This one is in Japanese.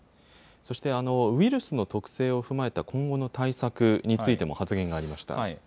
そして、ウイルスの特性を踏まえた今後の対策についても発言がありました。